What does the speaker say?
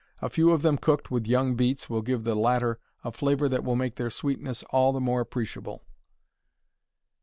A few of them cooked with young beets will give the latter a flavor that will make their sweetness all the more appreciable.